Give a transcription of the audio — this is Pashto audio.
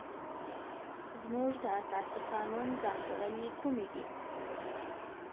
زموږ د اساسي قانون ځانګړنې کومې دي؟